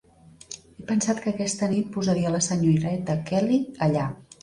He pensat que aquesta nit posaria la senyoreta Kelly allà.